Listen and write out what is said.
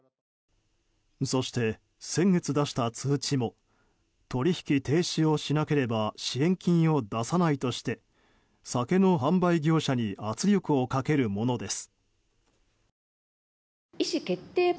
そして、先月出した通知も取引停止をしなければ支援金を出さないとして酒の販売業者に圧力をかけるものです。